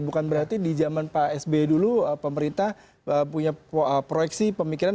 bukan berarti di zaman pak sby dulu pemerintah punya proyeksi pemikiran